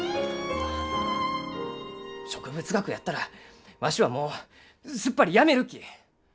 植物学やったらわしはもうすっぱりやめるき！